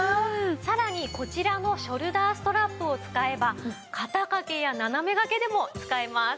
さらにこちらのショルダーストラップを使えば肩かけや斜めがけでも使えます。